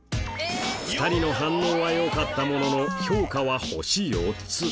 ２人の反応は良かったものの評価は星４つ